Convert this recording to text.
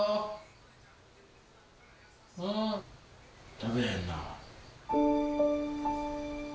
食べへんな。